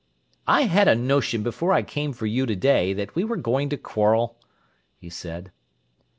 "I had a notion before I came for you today that we were going to quarrel," he said.